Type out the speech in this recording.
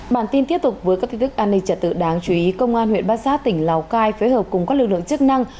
bản tin tiếp tục với các tin tức an ninh trật tự đáng chú ý công an huyện bát sát tỉnh lào cai phối hợp cùng các lực lượng chức năng